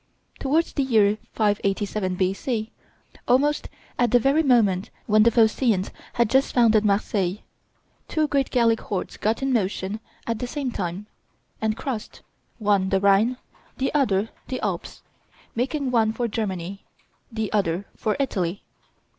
Towards the year 587 B.C., almost at the very moment when the Phoceans had just founded Marseilles, two great Gallic hordes got in motion at the same time, and crossed, one the Rhine, the other the Alps, making one for Germany, the other for Italy.